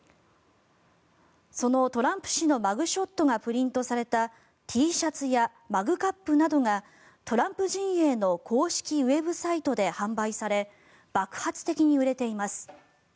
そのトランプ氏のマグショットがプリントされたＴシャツやマグカップなどがトランプ陣営の公式ウェブサイトで販売され爆発的に売れています。